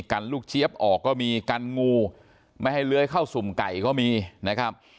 กันลูกเจี๊ยบออกก็มีกันงูไม่ให้เลื้อยเข้าสุ่มไก่ก็มีนะครับ